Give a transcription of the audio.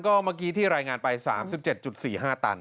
เมื่อกี้ที่รายงานไป๓๗๔๕ตัน